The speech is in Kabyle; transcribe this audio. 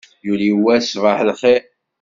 Yuli wass ṣṣbaḥ lxir.